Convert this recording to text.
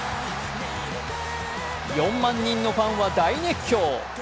４万人のファンは大熱狂。